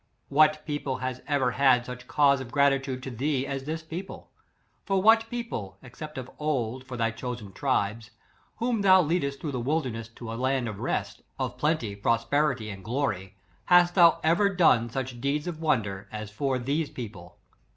>^ What people has ever had such cause of gratitude to thee, as this people? For what people, except of old, for thy chosen tribes, whom thou ledst through the wilderness to aland of rest, of plenty, prosperity andg lo ry, hast thou ever done such deeds of wonder, as for this people?